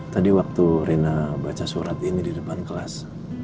tadi waktu rina baca surat ini di depan kelas